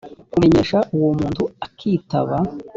kumenyesha uwo muntu akitaba